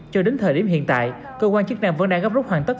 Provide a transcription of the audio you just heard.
cho đến thời điểm hiện tại cơ quan chức năng vẫn đang gấp rút hoàn tất